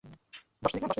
I love you two.